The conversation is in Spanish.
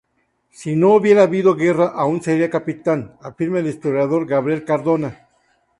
Si no hubiera habido guerra aún seria capitán, afirma el historiador Gabriel Cardona.